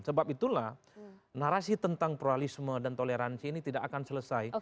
sebab itulah narasi tentang pluralisme dan toleransi ini tidak akan selesai